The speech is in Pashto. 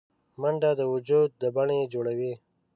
منډه د وجود د بڼه جوړوي